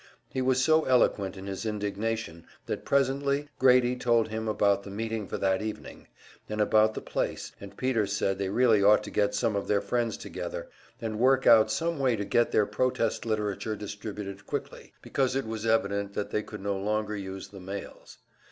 He was so eloquent in his indignation that presently Grady told him about the meeting for that evening, and about the place, and Peter said they really ought to get some of their friends together, and work out some way to get their protest literature distributed quickly, because it was evident they could no longer use the mails.